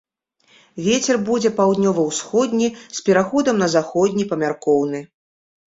Вецер будзе паўднёва-ўсходні з пераходам на заходні памяркоўны.